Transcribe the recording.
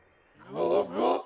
ゴゴ！